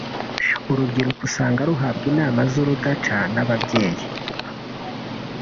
urubyiruko usanga ruhabwa inama z’urudaca n’ababyeyi